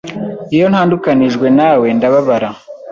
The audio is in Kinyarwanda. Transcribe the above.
Iyo ntandukanijwe nawe ndababara